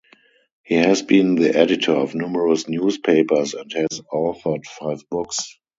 He has been the editor of numerous newspapers and has authored five books.